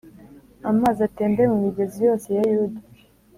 amazi atembe mu migezi yose ya Yuda.